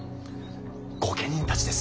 御家人たちです。